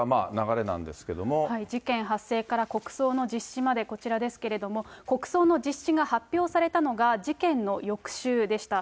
事件発生から国葬の実施まで、こちらですけれども、国葬の実施が発表されたのが、事件の翌週でした。